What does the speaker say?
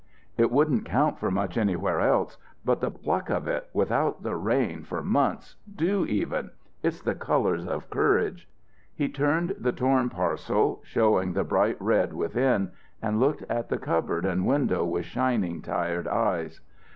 "It wouldn't count for much anywhere else, but the pluck of it, without rain for months, dew even. It's the 'colours of courage.'" He turned the torn parcel, showing the bright red within, and looked at the cupboard and window with shining, tired eyes.